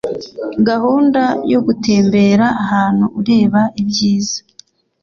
gahunda yo gutembera ahantu ureba ibyiza